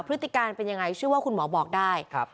พฤติการเป็นยังไงเชื่อว่าคุณหมอบอกได้